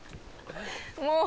もう！